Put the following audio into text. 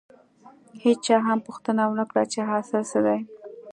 هېچا هم پوښتنه ونه کړه چې حاصل څه دی.